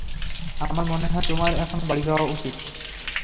আমার মনে হয় তোমার এখন বাড়ি যাওয়া উচিৎ।